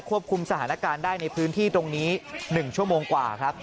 คุมสถานการณ์ได้ในพื้นที่ตรงนี้๑ชั่วโมงกว่าครับ